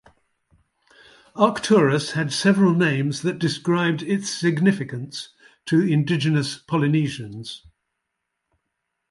Arcturus had several names that described its significance to indigenous Polynesians.